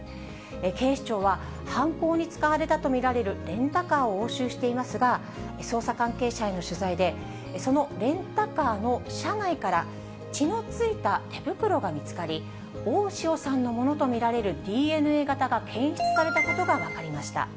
警視庁は、犯行に使われたと見られるレンタカーを押収していますが、捜査関係者への取材で、そのレンタカーの車内から血のついた手袋が見つかり、大塩さんのものと見られるＤＮＡ型が検出されたことが分かりました。